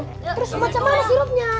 udah semacam mana sirupnya